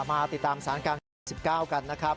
อาทิตย์ตามสารการที่๑๙กันนะครับ